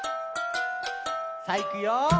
さあいくよ。